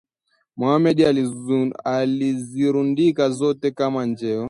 Mohammed anazirundika zote kama njeo